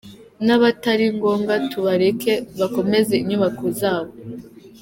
N’abatari ngombwa tubareke bakomeze inyubako zabo.